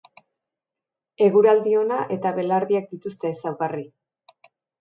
Eguraldi ona eta belardiak dituzte ezaugarri.